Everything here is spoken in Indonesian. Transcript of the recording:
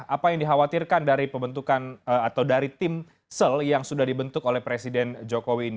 apa yang dikhawatirkan dari timsel yang sudah dibentuk oleh presiden jokowi ini